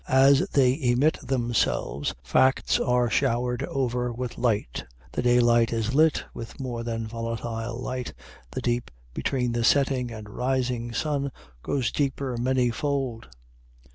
As they emit themselves, facts are shower'd over with light the daylight is lit with more volatile light the deep between the setting and rising sun goes deeper many fold.